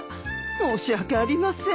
申し訳ありません。